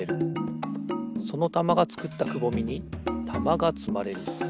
そのたまがつくったくぼみにたまがつまれる。